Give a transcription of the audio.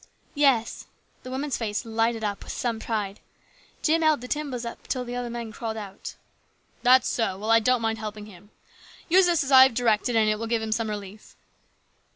"Yes." The woman's face lighted up with some pride. " Jim held up the timbers until the other men crawled out." "That's so. Well, I don't mind helping him. Use this as I have directed and it will give him some relief."